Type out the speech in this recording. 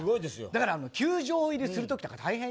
だから球場入りするときとか大変。